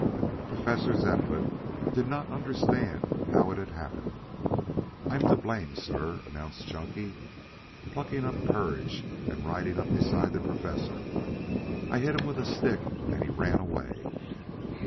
Professor Zepplin did not understand how it had happened. "I'm to blame, sir," announced Chunky, plucking up courage and riding up beside the Professor. "I hit him with a stick and he ran away."